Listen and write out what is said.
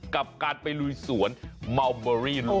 กับการไปลุยสวนมัลเบอร์รี่ลุงจักร